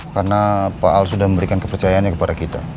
karena pak al sudah memberikan kepercayaannya kepada kita